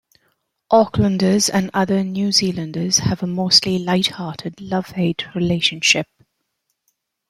Aucklanders and other New Zealanders have a mostly light-hearted "love-hate" relationship.